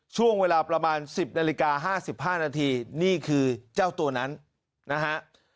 ช่วงเวลาประมาณ๑๐นาฬิกา๕๕นาทีนี่คือเจ้าตัวนั้นนะฮะ